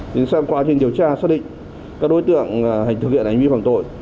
xem quá trình điều tra xác định các đối tượng thực hiện ánh vi phòng tội